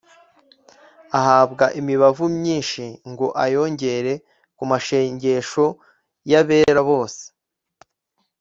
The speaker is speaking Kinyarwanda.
ahabwa imibavu myinshi ngo ayongere ku mashengesho y’abera bose,